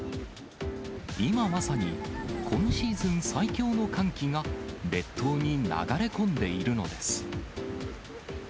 今まさに、今シーズン最強の寒気が列島に流れ込んでいるのです。